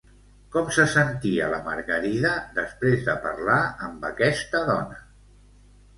Com se sentia la Margarida després de parlar amb aquesta dona?